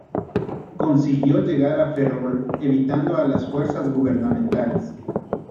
Consiguió llegar a Ferrol evitando a las fuerzas gubernamentales.